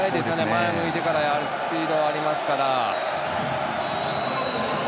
前向いてからスピードありますから。